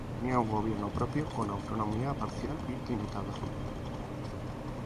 Tenía un gobierno propio con autonomía parcial y limitada.